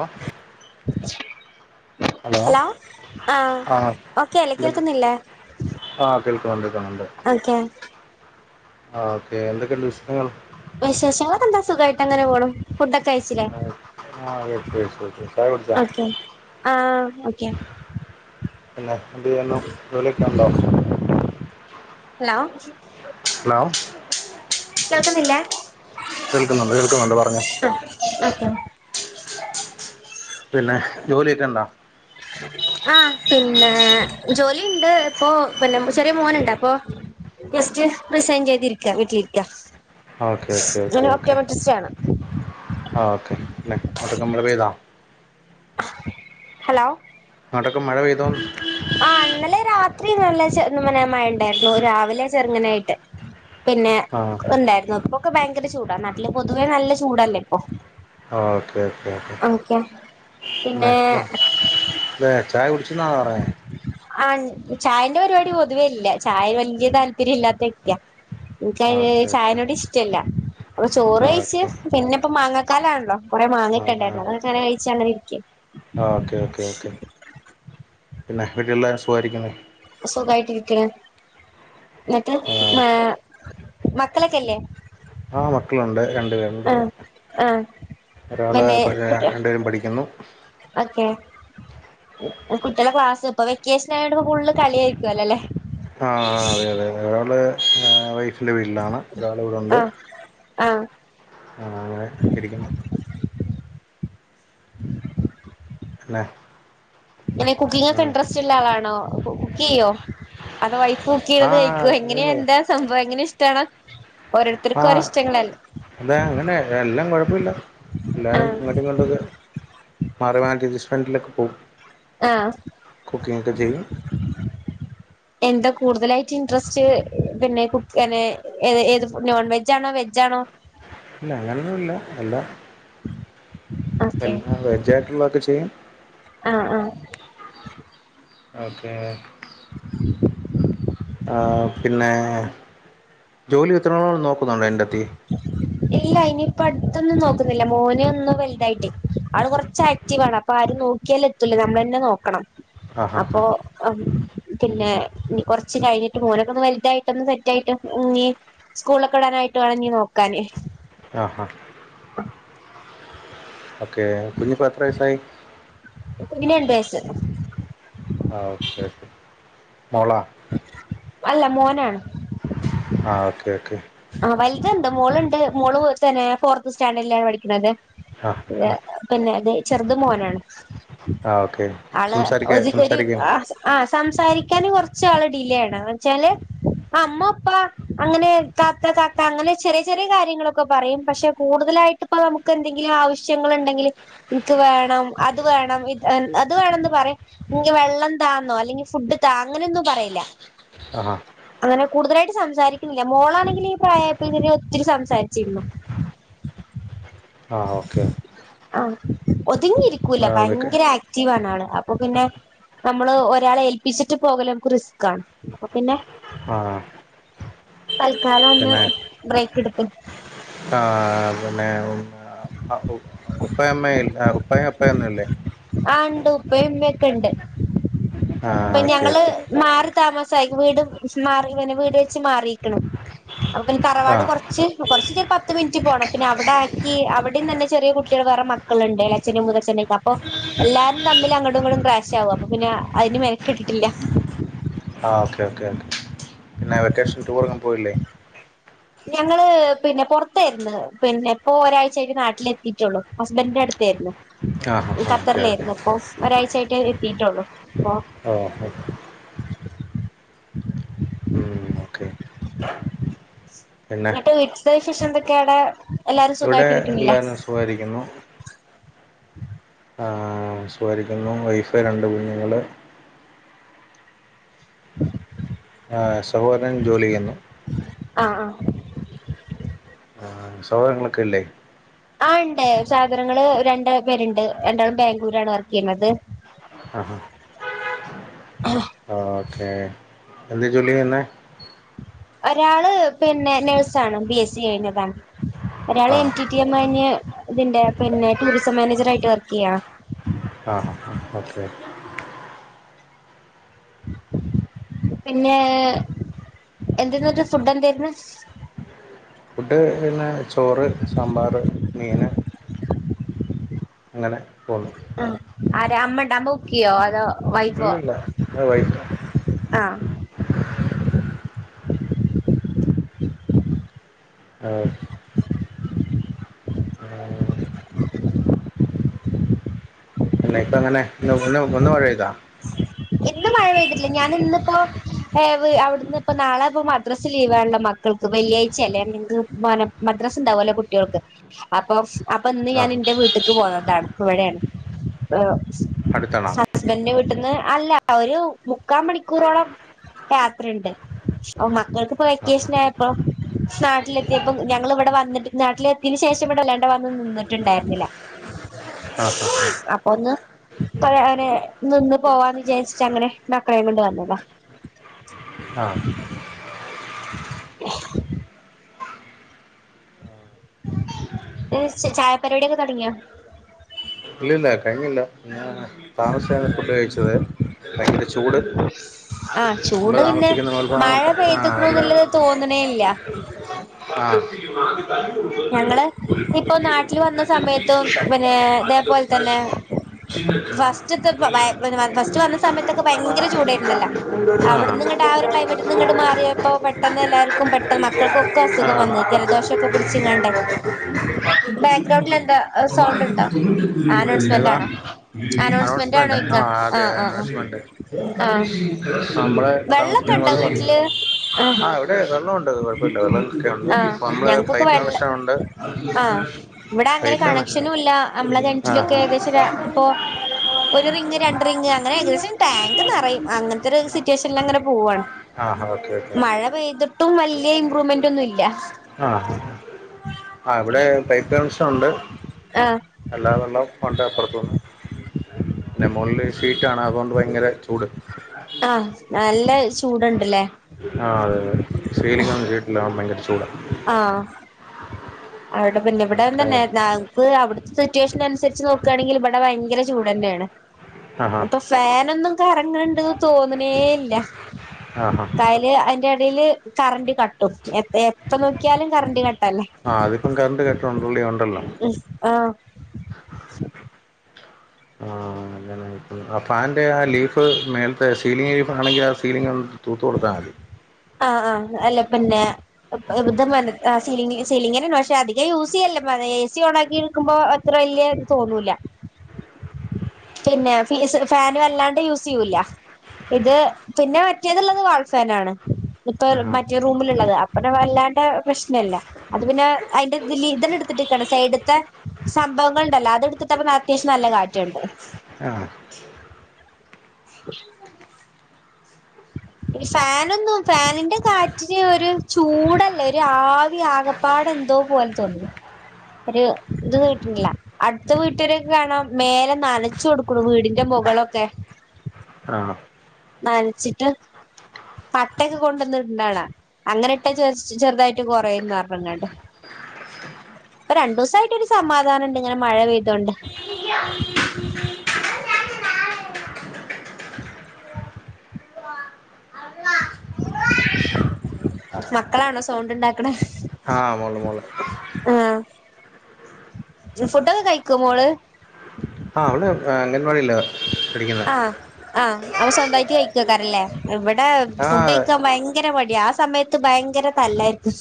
ഓഹ് hello ആ okay അല്ലേ കേക്കുന്നില്ലേ ആഹ് കേൾക്കാം കേൾക്കുന്നുണ്ട് ഓക്കെ ആ ഓക്കെ എന്തൊക്കെയുണ്ട് വിശേഷങ്ങൾ വിശേഷങ്ങളൊക്കെ എന്താ സുഖായിട്ടങ്ങനെ പോണു ഫുഡൊക്കെ കഴിച്ചില്ലേ ആഹ് ആ കഴിച്ചു കഴിച്ചു ചായ കുടിച്ചോ ഓക്കെ ആഹ് ഓക്കെ പിന്നെ എന്തെയ്യുന്നു ജോലിയൊക്കെ ഉണ്ടോ ഹലോ ഹലോ കേൾക്കുന്നില്ലേ കേൾക്കുന്നുണ്ട് കേൾക്കുന്നുണ്ട് പറഞ്ഞോ ആഹ് ഓക്കെ പിന്നെ ജോലിയൊക്കെയുണ്ടോ [inaudible] ആഹ് പിന്നെ ജോലിയുണ്ട് ഇപ്പൊ പിന്നെ ചെറിയ മോന്ണ്ട് അപ്പൊ ജസ്റ്റ് റിസൈൻ ചെയ്തിരിക്ക വീട്ടിരിക്ക ഓക്കെ ഓക്കെ ഞാൻ ഓക്കെ ഓക്കെ ഓപ്റ്റോമെട്രിസ്റ്റ് ആണ് ആ ഓക്കെ അല്ലെ [unintelligible] പെയ്താ ഹലോ അങ്ങോട്ടൊക്ക മഴപെയ്തോന്ന് ആ ഇന്നലെ രാത്രി നല്ല മഴ ഇണ്ടായിരുന്നു രാവിലെ ചെറുങ്ങനായിട്ട് ആ പിന്നെണ്ടായിരുന്നു ഇപ്പൊക്കെ ഭയങ്കര ചൂടാ നാട്ടില് പൊതുവേ നല്ല ചൂടല്ലേ ഇപ്പൊ ആ ഓക്കെ ഓക്കെ ഓക്കെ പിന്നെ നാട്ടില് ചായ കുടിച്ചുന്നാണോ പറഞ്ഞെ ആഹ് ചായന്റെ പരിപാടി പൊതുവേല്ല ചായ വല്യേ താല്പര്യം ഇല്ലാത്ത വ്യക്തിയാ എൻക്ക് ആ ഓക്കെ ഓക്കെ ചായനോട് ഇഷ്ടല്ല അപ്പൊ ചോറ് ആ കഴിച്ച് ഓക്കെ പിന്നെ ഇപ്പ മാങ്ങക്കാലാണല്ലോ കുറെ മാങ്ങയിട്ടണ്ടായിരുന്നു അതങ്ങനെ കഴിച്ചാങ്ങനെ ഇരിക്ക ആഹ് ഓക്കെ ഓക്കേ ഓക്കേ പിന്നെ വീടില്ലരും സുഖാരിക്കുന്ന സുഖമായിട്ടിരിക്കുന്നു ങ്ങട്ട് മ മക്കളൊക്കെല്ലേ ആഹ് മക്കളുണ്ട് രണ്ടു പേരു ആ ടെ ആ ഒരാള് പിന്നെ രണ്ടുപേരും പഠിക്കുന്നു ഓക്കെ കുട്ടികളെ ക്ലാസ് ഇപ്പ വെക്കേഷൻ ആയി ഫുള്ള് കളിയ ആയിരിക്കുല്ലോ അല്ലേ ആഹ് അതെ അതെ തെ ഒരാള് വൈഫിന്റെ വീട്ടിലാണ് ഒരാളവിടുണ്ട് ആഹ് ആഹ് ങ്ങനെ ഇരിക്കുന്നു അന്നെ ഇനെ കുക്കിങ്ങക്കെ ഇൻട്രസ്റ്റ് ഉള്ള ആളാണോ കുക്ക് ചെയ്യോ അതോ വൈഫ് കുക്ക് ആ ചെയത് കഴിക്കുവ എങ്ങനെയ ഇല്ല എന്താ സംഭവം എങ്ങനെ ഇഷ്ടണോ ഓരോരുത്തർക്ക് ഓരോരിഷ്ടങ്ങളല്ലേ അതാ അങ്ങനെ എല്ലാം കൊഴപ്പില്ല എല്ലാരും ആഹ് ഇങ്ങോട്ടും ഇങ്ങണ്ടൊക്കെ മാറുവാൻ റസ്റ്റോറൻറിലക്കെപോവും ആഹ് [inaudible] എന്താ കൂടുതലായിട്ട് ഇൻട്രസ്റ്റ് പിന്നെ കു അനെ ഏത് ഏത് നോൺ വെജ ആണോ വെജാണോ ഇല്ല അങ്ങനന്നുല്ല എല്ലാ ഓക്കെ എല്ലാ വെജായിട്ടുള്ളതൊക്കെ ചെയ്യും ആഹ് ആഹ് ഓക്കെ [inaudible] ആഹ് പിന്നെ ജോലി എത്രനാളൾ നോക്കുന്നുണ്ടോ എന്റെത്തി ഇല്ല ഇനിയിപ്പ അടുത്തൊന്നും നോക്കുന്നില്ല മോനെ ഒന്നും വലുതായിട്ട് അവ കുറച്ച് ആക്റ്റീവാണ് അ പ്പാരും നോക്കിയാല് എത്തൂലേ നമ്മളെന്നെ നോക്കണം ആഹാ ഹാ അപ്പൊ ആഹ് പിന്നെ കൊറച്ച് കഴിഞ്ഞിട്ട് മോനൊക്കെ ഒന്ന് വലുതായിട്ടൊന്ന് സെറ്റ് ആയിട്ട് ഞ് സ്കൂളിലൊക്കെ ഇടാനായിട്ട് വേണന്നി നോക്കാന് ആഹ് ആഹ് ക്കെ കുഞ്ഞപ്പോൾ എത്ര വയസ്സായി കുഞ്ഞിന് രണ്ട് വയസ് ആഹ് ഓക്കെ ക്കെ മോള അല്ല മോനാണ് ആഹ് ഓക്കെ ഒക്കെ ആഹ് വലുത്ണ്ട് മോളുണ്ട് മോള് വീട്ട് തന്നെ ഫോർത്ത് സ്റ്റാൻഡേർഡിലാണ് പഠിക്കുന്നത് ആ ല്ല ആ പിന്നെ അത് ചെറുത് മോനാണ് ആ ഓക്കെ ആള് സംസാരിക്ക ഒത്ക്കൊരു സംസാരിക്കും ആഹ് ആഹ് സംസാരിക്കാന് കൊറച്ച ആള് ഡിലേണ് വച്ചാല് അമ്മപ്പാ അങ്ങനെ താത്ത താത്ത അങ്ങനെ ചെറിയ ചെറിയ കാര്യങ്ങളൊക്കെ പറയും പക്ഷെ കൂടുതലായിട്ടപ്പൊ നമുക്ക് എന്തെങ്കിലും ആവശ്യം ശ്യങ്ങണ്ടെങ്കിൽ എനിക്ക് വേണം അത് വേണം അത് വേണന്ന് പറയും ഞ് വെള്ളം താന്നോ അല്ലെങ്കി ഫുഡ് താ അങ്ങനെയൊന്നും പറയില്ല ആഹാ അങ്ങനെ കൂടുതലായിട്ട് സംസാരിക്കൂല്ല മോളാണ ങ്കില് ഈ പ്രായപ്പോത്തിന് ഒത്തിരി സംസാരിച്ചിരുന്നു ആഹ് ഓക്കെ ആഹ് ഒതുങ്ങി ഇരിക്കൂല ആ ഓക്കെ ഭയങ്കര ആക്റ്റീവാണ് ആള് അപ്പൊ പിന്നെ നമ്മള് ഒരാളെ ഏൽപ്പിച്ചിട്ട് പോകല് നമുക്ക് റിസ്ക്കാണ് അപ്പോ പിന്നെ ആഹ്. കാലം ഒന്ന് ബ്രേക്കെട്ത്തു ആഹ് അതന്നെ. അഉ ആഹ്. അപ്പൊ ഉപ്പായുംഅമ്മെം ഉപ്പായും അപ്പെംഒന്നും ല്ലേ? ആഹ് ണ്ട് ഉപ്പയുംഉമ്മെ ഒക്കെണ്ട്, ആ ഇപ്പൊ ഓക്കെ ഞങ്ങള് ഓക്കെ മാറി താമസായ് വീട് മാറിങ്ങനെ വീട് വെച്ച് മാറീക്ക്ണ് അപ്പ പിന്നെ ആ തറവാട് കൊർ പക്ഷെ കൊർച്ച്‌ പത്ത് മിൻറ്റ് പോണം, പിന്നെ അവിടാക്കി അവിടിം തന്നെ ചെറിയ കുട്ടികൾ വേറെ മ മക്കള്ണ്ട് എളേച്ഛന്റേം മൂത്തച്ഛൻ്റൊക്കെ അപ്പൊ എല്ലാരും തമ്മിൽ അങ്ങടും ഇങ്ങടും ക്രാഷ് ആകും അപ്പ പിന്ന അയ്ന് മെ ക്കിട്ടില്ല. ആഹ് ഓക്കെ ഓക്കെ ഓക്കെ പിന്നെ വെക്കേഷൻ ടൂറൊന്നും പോയില്ലേ? ഞങ്ങള് പിന്നെ പൊർത്തേര്ന്ന്, പിന്നെ പ്പൊ ഒരാഴ്ചായ്ട്ട് നാട്ടിലെത്തിട്ടൊള്ളൂ ഹസ്ബൻഡിന്റെട്ത്തേര്ന്നു. ആ ഹാ ഹാ ഓക്കെ ഓക്കെ ഖത്തറിലേര്ന്നു, അപ്പൊ ഒരാഴ്ചായിട്ട് എത്തീട്ടൊള്ളൂ അപ്പൊ. ഓ ഹോ ഉം, ഓക്കെ. പിന്നെ എന്നിട്ട് വീട്ട്ത്തെ വിശേഷം എന്തൊക്കെ അവിടെ എല്ലാരും ഇവിടെ സുഖായിട്ട് ഇരിക്കുന്നില്ലേ. എല്ലാവരും സുഖായിരിക്കുന്നു. ആഹ് സുഖായിരിക്കുന്നു വൈഫ്‌ രണ്ട് കുഞ്ഞുങ്ങള് ആ സഹോദരൻ ജോലി ചെയ്യുന്നു. ആഹ് ആഹ്. ആഹ് സഹൊദരങ്ങളൊക്കെല്ലെ ആഹ് ഇണ്ട് സഹോദരങ്ങള് രണ്ട് പേരുണ്ട് രണ്ടാളും ബാംഗ്ലൂരാണ് വർക്കെയ്യുന്നത്. ആഹാ. ഓക്കെ, എന്ത് ജോല്യായ്യുന്നെ? ഒരാള് പിന്നെ നേഴ്സാണ് ബി എസ് സി കഴിഞ്ഞതാണ് ഒരാള് ആ എം ടി. റ്റി എം കയ്ഞ്ഞ് ഇതിന്റെ പിന്നെ ടൂറിസം മാനേജറായിട്ട് വർക്കെയ്യാണ്. ആഹ് ഹാ ഹാ ഓക്കെ. പിന്നേ എന്ത്‌ന്ട്ട് ഫുഡ് എന്തേര്ന്നു. ഫുഡ് പിന്നെ ചോറ്, സാമ്പാറ്, മീന്. അങ്ങനെ പോന്നു ഉം. ആരാ അമ്മണ്ടാ അമ്മ കുക്കെയ്യോ അതോ. വൈഫോ ഇല്ലില്ല അ വൈഫാ. ആഹ്. ആഹ്. പിന്നെ ഇപ്പങ്ങനെ ന്ന് ഒന്ന് ഒന്ന് മഴയ്താ? ഇന്ന് മഴ പെയ്തിട്ടില്ല ഞാന് ഇന്ന്പ്പോ ഏ വ് അവിട്ന്ന്പ്പം നാളെപ്പോ മദ്രസ ലീവായോണ്ട മ മക്കൾക്ക് വെള്ളിയാഴ്ച്ചല്ലെ നി മന മദ്രസ് ഇണ്ടാവല്ലോ കുട്ട്യൾക്ക് അപ്പൊ അപ്പ ഇന്ന് ആ ഞാന് ന്റെ വീട്ട്ക്ക് പോന്നതാണ് ഇപ്പ ഇവടേണ് അടുത്താണോ [unintelligible] ഹസ്ബൻഡിന്റെ വീട്ട്ന്ന് അല്ല ഒരു മുക്കാ മണിക്കൂറോളം യാത്രണ്ട് അപ്പ മക്കൾക്ക്പ്പം ആ വെക്കേഷനായപ്പോ നാട്ടിലെത്തിയപ്പൊ ഞങ്ങള് ഇവടെ വന്നിട്ട് നാട്ടിലെത്തീൻ്റെ ശേഷം ഇവടെ വല്ലാണ്ട് വന്ന് നിന്നിട്ട് ഇണ്ടായ്ര്ന്നില. ആ ആ അപ്പൊന്ന് [unintelligible] നിന്ന് പോവാന്ന് വിചാരി ച്ച് അങ്ങനെ മക്കളെ കൊണ്ട് വന്നതാ. ആഹ് [unintelligible] ചായ പരിപാടിയൊക്കെ തൊടങ്ങിയോ? ഇല്ലല്ല കഴിഞ്ഞില്ല ഞാൻ താമസിച്ചാണ് ഫുഡ് കഴിച്ചത് ഭയങ്കര ചൂട്. ആഹ് ചൂട് പിന്നെ മഴ പെയ്തുക്കണന്നുള്ളത് തോന്നണേ ഇല്ല [unintelligible] ആഹ് ഞങ്ങള് ഇപ്പൊ നാട്ടില് വന്ന സമയത്തും പിന്നേ ഇതേ പോൽ തന്നെ ഫസ്റ്റ്ത്തെ ഭ ഭയ പിന്നെ ഫസ്റ്റ് വന്ന സമയത്തൊക്കെ ഭയങ്കര ചൂടേര്ന്നല്ല. അവ്ട്ന്ന്ങ്ങട്ട് ആ ഒരു ക്ലൈമറ്റ്ന്ന്ങ്ങട്ട് മാറിയപ്പോ പെട്ടെന്ന് എല്ലാർക്കും പെട്ടെന്ന് മക്കൾക്കും ഒക്കെ അസുഖം വന്ന് ജലദോഷൊക്കെ പിടി ച്ച്ങ്ങാണ്ടെ. ബാക്ക് ഗ്രൗണ്ടിൽ എന്താ സൗണ്ട്ണ്ടോ? ഏതാ ആണോ അനൗൺസ്മെന്റ് ഇക്ക ആഹ് അതെ ആഹ് ആഹ് അനൗൺസ്മെന്റ് ആഹ് നമ്മള് വെള്ളൊക്കെ ഉണ്ടോ വീട്ടില് താമസിക്കുന്ന ആഹ് [unintelligible] ആ ഇവിടെ വെള്ളോണ്ട് കൊഴപ്പല്ല വെള്ളം ഒക്കെ ഉണ്ട് [unintelligible] ഇപ്പൊ ഒക്കെ വെള്ള കണക്ഷനുണ്ട് ആഹ് ഇവടെ അങ്ങനെ പൈപ്പ് കണ കണക്ഷനൂല്ല. നമ്മളെ ആ കെൺറ്റിലൊക്കെ ഏകദേശ ര ഇപ്പോ ഒരു റിംഗ് രണ്ട് റിംഗ് അങ്ങനെ ഏകദേശം ടാങ്ക് നറയും അങ്ങൻത്തെ ഒരു സിറ്റുവേഷനില് അങ്ങനെ പോവാണ്. ആ ആ ഓക്കെ ഓക്കെ മഴ പെയ്ത്ട്ടും വല്യേ ഇമ്പ്രൂവ്മെന്റ് ഒന്നും ഇല്ല. ആഹ് ആഹ് ആഹ് ആഹ് ഇവ്ടെ പൈപ്പ് കണക്ഷനുണ്ട്‌. ആഹ് എല്ലാ വെള്ളം ഉണ്ട് അപ്പർത്തൂന്ന് പിന്നെ മോൾല് ഷീറ്റ് ആണ് അതുകൊണ്ട് ഭയങ്കര ചൂട്. ആ നല്ല ചൂട്ണ്ട് ലെ? ആ അതെ [unintelligible] സീലിങ്ങൊന്നും ചെയ്തിട്ടില്ല ഭയങ്കര ചൂടാ. ആഹ് അവടെ പിന്നെ ഇവടേം ഓക്കെ തന്നെ [unintelligible] പ്പ് അവിട്ത്തെ സിറ്റുവേഷനൻസരിച്ച് നോക്കാണെങ്കില് ഇവടെ ഭയങ്കര ചൂടന്നേണ് ആ ഹാ ഇപ്പം ഫാനൊന്നും കറങ്ങ്ണ്ട് തോന്ന്ണേല്ല ആ ഹാ കയ അയ്ന്റെ എടേല് കറന്റ് കട്ടും എ എപ്പ നോക്കിയാലും കറണ്ട് കട്ടല്ലെ. ആ അതിപ്പം കറണ്ട് കട്ടും [unintelligible] ഉണ്ടല്ലോ. ഉം ആഹ് ആ [unintelligible] ഫാനിന്റെ ആ ലീഫ് [unintelligible] മേൽത്തെ സീലിംഗ് ചെയ്തതാണെങ്കി ആ സീലിങ്ങൊന്ന് തൂത്ത് കൊടുത്താ മതി. ആഹ് ആഹ് അല്ല പിന്നെ [unintelligible] ആ സീലിങ്ങി സീലിങ്ങന്നെയാണ് പക്ഷെ അധികം യൂസിയ്യലില്ല പഴയ എ സി ഓൺ ആക്കിയിരിക്കുമ്പോ ഒ ത്ര വല്യേത് തോന്നൂല പിന്നെ ഫീസ് ഫാന് വല്ലാണ്ട് യൂസിയ്യൂല്ല ഇത് പിന്നെ മറ്റേത്ള്ളത് വാൾഫേനാണ് ഇപ്പാര് ആഹാ മറ്റേ റൂമില്ള്ളതാ അപ്പഞാൻവല്ലാ ത്തെ പ്രശ്നല്ല അത് പിന്നെ ഐന്റെ ഇത് ലീ ഇതന്നെ ഇട് ത്ത്ട്ട്ക്കാണ് സൈഡ്ത്തെ സംഭവങ്ങള്ണ്ടല്ലോ അത് ഇട്ത്തട്ടപ്പൊ ന്നാട്ടീഷ് നല്ല കാറ്റ്ണ്ട് ആഹ് [inaudible] ഇഫാനൊന്നും ഫാനിന്റെ കാറ്റിന് ഒര് ചൂടല്ലേ ഒര് ആഹ് ര് ആകപ്പാടെ എന്തോ പോലെ തോന്ന്ണു ര് ത് കിട്ട്ണില്ല. അട്ത്ത വീട്ടാരൊക്കെ കാണാ മേലെ നനച്ചൊട്ക്ക്‌ണു വീടിന്റെ മുകളൊക്കെ ആഹ് നൻച്ചിട്ട് പട്ടക്കെ കൊണ്ടന്ന് ഇട്ണാണാ അങ്ങനെ ഇട്ടച്ച ചെ ചെറ്തായിറ്റ് കൊറയുംന്നർഞ്ഞ്ങ്ങാണ്ട് പ്പരണ്ടൂസായിട്ട് ഒരു സമാധാനംണ്ട് ഇങ്ങനെ മഴ പെയ്തോണ്ട് [inaudible] മക്കളാണോ സൗണ്ട്ണ്ടാക്ക്‌ണ് ആഹ് മോള് മോള് ഏഹ് ഫുഡൊക്കെ കയിക്കൊ മോള് ആഹ് അവള് എഹ് അംഗൻവാടിലാ ആഹ് ആഹ് അപ്പൊ സ്വന്തായിറ്റ് കഴിക്കോക്കാരല്ലേ ഇവടെ ആ ഫുഡയ്ക്കാം ഭയ ങ്കര മട്യാ ആഹ് സമയത്ത് ഭയങ്കര തല്ലായിര്ക്കും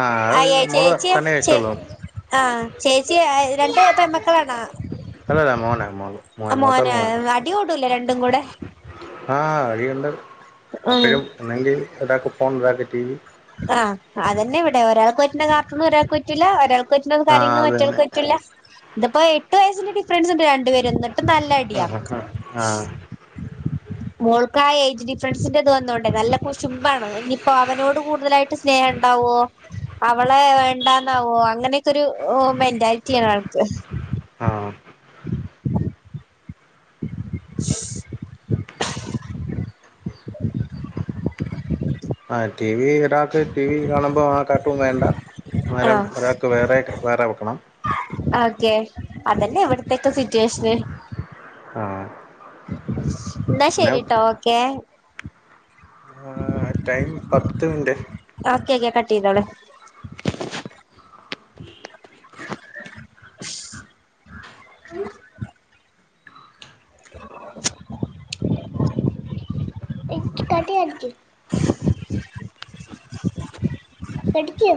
ആ അത് അയെ മോള് ചേച്യേ തന്നെ ചെ കഴിച്ചോളും ആഹ് ചേച്ച്യേ രണ്ട് പെമക്കളാണോ അല്ല ല്ല മോനാ മോൻ അമോനാ അടികൂടുലേ രണ്ടും കൂടെ ആഹ് അടിയുണ്ട് ഉം പ്പഴും ഒന്നെങ്കിൽ രണ്ടാക്കും ഫോൺ ഒരാക്ക് ടി വി ആഹ് അതന്നെ ഇവിടെ ഒരാൾക്ക് പറ്റ്ന്ന കാർട്ടൂണ് ഒരാൾക്ക് പറ്റുലാ ഒരാ കൊച്ണ ആ കാര്യങ്ങളും അത് മറ്റൊൽക് തന്നെ പറ്റുല്ല ത്പ്പോ എട്ട് വയസ്സിന്റെ ഡിഫ്റൻസ്ണ്ട് രണ്ട് പേരും ന്ന് ട്ട്നല്ല ആ അട്യാ ആ മോൾക്കാ ഏജ് ഡിഫ്രൻസിന്റെത് വന്നോണ്ടേ നല്ല കുശുംബാണ് ഇനിപ്പോ അവനോട് കൂ ട്തലായിട്ട് സ്നേഹണ്ടാവോ അവളെ വേണ്ടതാവോ അങ്ങനെയൊക്കെരു മെന്റാൽറ്റ്യാ ആൾക്ക് ആഹ് ആഹ് ടി വി ഒരാക് ടി വി കാണുമ്പോ ആഹ് കാർട്ടൂൻ വേണ്ട മരം ഒരാൾക്ക് വേറെ വേറെ വെക്കണം ഒക്കെ അതന്നേ എവിട്ത്തെക്കെ സിറ്റുവേഷ്ന് ആഹ് ന്നാ ശരിട്ടോ ഓക്കെ ആഹ് ടൈം പത്ത് മിൻൻ്റ് ഒക്കെ കെ കട്ടീതളിം കട്ടിയടിക്ക് [unintelligible] പഠിക്കും